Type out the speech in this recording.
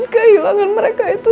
kehilangan mereka itu